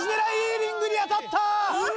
リングに当たった！